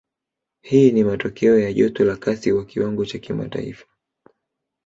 Hii ni matokeo ya joto la kasi kwa kiwango cha kimataifa